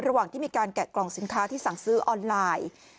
ระหว่างที่มีการแกะกล่องสินค้าที่สั่งซื้อออนไลน์